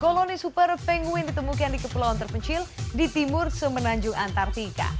koloni super penguin ditemukan di kepulauan terpencil di timur semenanjung antartika